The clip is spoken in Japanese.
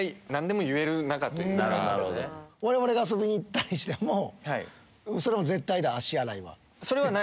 我々が遊びに行ったりしても絶対だ足洗いは。